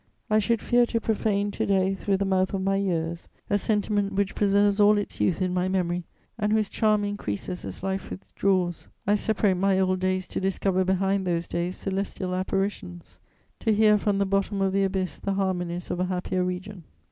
I should fear to profane to day through the mouth of my years a sentiment which preserves all its youth in my memory and whose charm increases as life withdraws. I separate my old days to discover behind those days celestial apparitions, to hear from the bottom of the abyss the harmonies of a happier region.